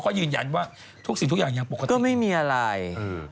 ก็ยืนยันว่าทุกสิ่งทุกอย่างยังปกติก็ไม่มีอะไร